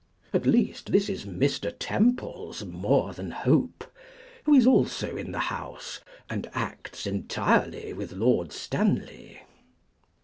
At least this is Mr. Temple's more than hope, who is also in the House, and acts entirely with Lord Stanley.